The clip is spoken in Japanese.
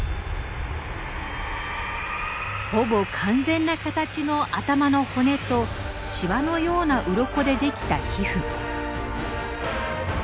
ほぼ完全な形の頭の骨とシワのようなウロコでできた皮膚。